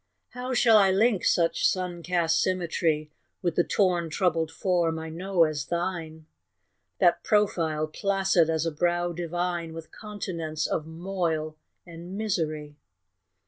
How shall I link such sun cast symmetry With the torn troubled form I know as thine, That profile, placid as a brow divine, With continents of moil and misery?